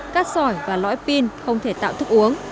cát sỏi và lõi pin không thể tạo thức uống